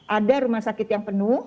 ada rumah sakit yang penuh